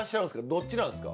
どっちなんですか？